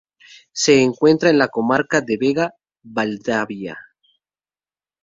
Se encuentra en la comarca de Vega-Valdavia.